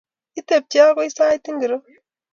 Itepche agoi sait ngiro?